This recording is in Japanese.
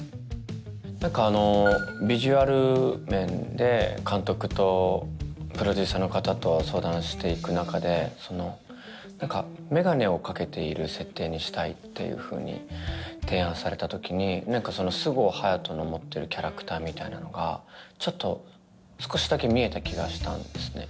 何かあのビジュアル面で監督とプロデューサーの方と相談していく中でその何か眼鏡をかけている設定にしたいっていうふうに提案された時に何かその菅生隼人の持ってるキャラクターみたいなのがちょっと少しだけ見えた気がしたんですね